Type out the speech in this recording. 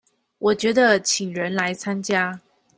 我覺得請人來參加